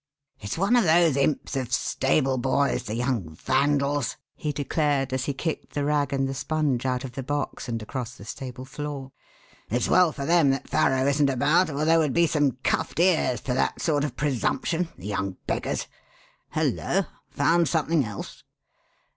"It's one of those imps of stable boys, the young vandals!" he declared, as he kicked the rag and the sponge out of the box and across the stable floor. "It's well for them that Farrow isn't about or there would be some cuffed ears for that sort of presumption, the young beggars! Hullo! Found something else?"